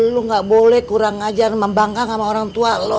lu gak boleh kurang ngajar membanggang sama orang tua lu